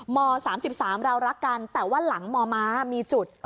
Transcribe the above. ม๓๓เรารักกันแต่ว่าหลังมมมีจุด